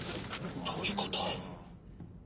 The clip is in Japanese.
どういうこと？